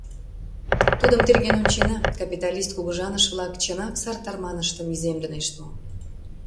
Тудым терген ончена: капиталист кугыжаныш-влак чынак сар тарманыштым иземдынешт мо?